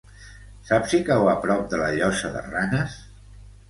Saps si cau a prop de la Llosa de Ranes?